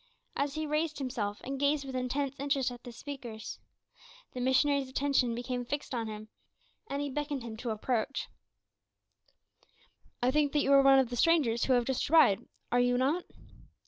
As he raised himself, and gazed with intense interest at the speakers, the missionary's attention became fixed on him, and he beckoned him to approach. "I think you are one of the strangers who have just arrived, are you not?"